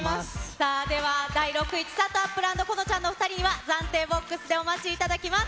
さあ、では第６位、ちさとあっぷる＆このちゃんの２人には、暫定ボックスでお待ちいただきます。